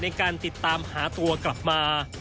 ในการติดตามหาตัวกลับมา